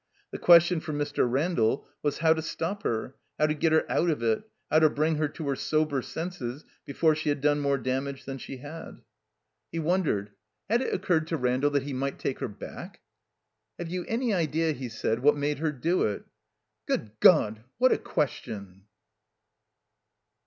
The question for Mr. Randall was how to stop her, how to get her out of it, how to bring her to her sober senses before she had done more damage than she had. 18 267 THE COMBINED MAZE He wondered, had it occurred to Randall that he might take her back? "Have you any idea," he said, "what made her do it?" "Good God, what a question!"